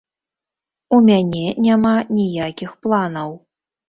У мяне няма ніякіх планаў.